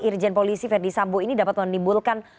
irjen polisi ferdisambo ini dapat menimbulkan